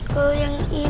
kalau yang ini